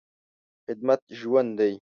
خدمت ژوند دی.